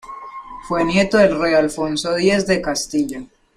Fue nieto del rey Alfonso X de Castilla.